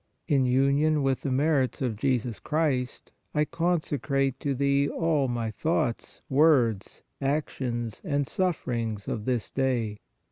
In union with the merits of Jesus Christ, I conse crate to Thee all my thoughts, words, actions and sufferings of this day.